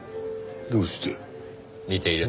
どうして？